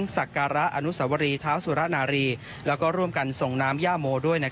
สักการะอนุสวรีเท้าสุรนารีแล้วก็ร่วมกันส่งน้ำย่าโมด้วย